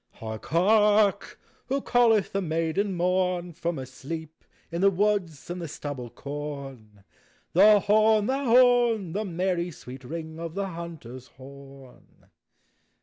Hark, hark! — TT7io callcth the maiden Morn From her sleep in the woods and the stubble corn ? The horn, — the horn! The merry, sweet ring of the hunter's horn.